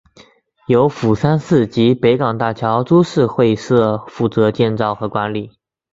由釜山市及北港大桥株式会社负责建造和管理。